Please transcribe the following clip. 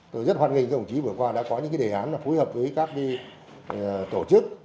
tôi rất hoan nghênh các đồng chí vừa qua đã có những đề án phối hợp với các tổ chức